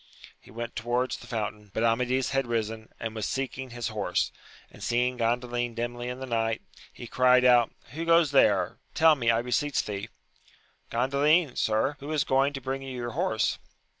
He went towards the fountain, but Amadis had risen and was seeking his horse ; and seeing Gandalin dimly in the night, he cried out, Who goes there 1 tell me, I beseech thee ?— Gandalin, sir ! who is going to bring you your horse.